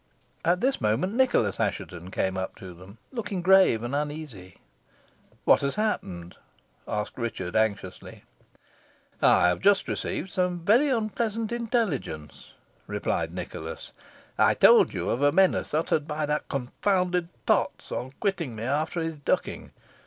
At this moment Nicholas Assheton came up to them, looking grave and uneasy. "What has happened?" asked Richard, anxiously. "I have just received some very unpleasant intelligence," replied Nicholas. "I told you of a menace uttered by that confounded Potts, on quitting me after his ducking.